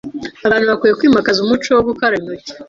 abantu bakwiye kwimakaza umuco wo gukaraba intoki.